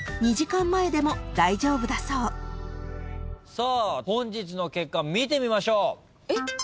さあ本日の結果見てみましょう。